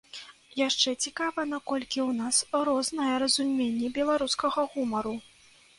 Яшчэ цікава, наколькі ў нас рознае разуменне беларускага гумару.